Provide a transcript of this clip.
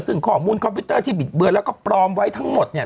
ซึ่งข้อมูลคอมพิวเตอร์ที่บิดเบือนแล้วก็ปลอมไว้ทั้งหมดเนี่ย